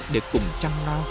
để cùng chăm lo